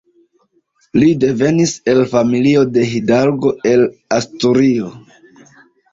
Li devenis el familio de hidalgo el Asturio.